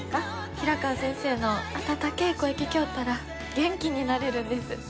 平川先生の温けえ声聴きょおったら元気になれるんです。